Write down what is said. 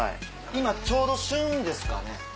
今ちょうど旬ですかね？